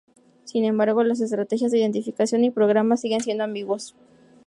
Sin embargo, las estrategias de identificación y programas siguen siendo ambiguos.